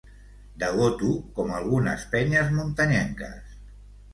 Degoto com algunes penyes muntanyenques.